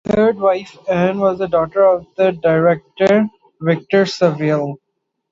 His third wife, Ann, was the daughter of director Victor Saville.